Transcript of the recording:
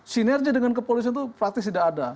sinergi dengan kepolisian itu praktis tidak ada